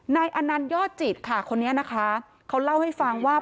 นายอนันยอดจิตค่ะคนนี้นะคะเขาเล่าให้ฟังว่า